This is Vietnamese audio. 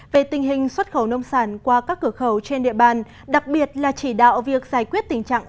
về tình hình xuất khẩu nông sản qua các cửa khẩu trên địa bàn đặc biệt là chỉ đạo việc giải quyết tình trạng